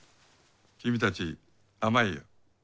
君たち甘いよ。